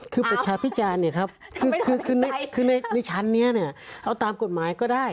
คือประชาพิจารณ์เนี่ยครับคือในชั้นนี้เนี่ยเอาตามกฎหมายก็ได้